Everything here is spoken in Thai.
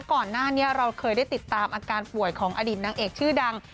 ก่อนหน้านี้เราเคยได้ติดตามอาการป่วยของอดีตนางเอกชื่อดัง